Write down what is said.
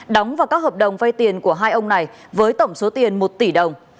đóng vào các hợp đồng vay tiền của hai ông này với tổng số tiền một tỷ đồng